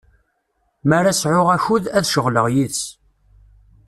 Mi ara sɛuɣ akud, ad d-ceɣleɣ yid-s.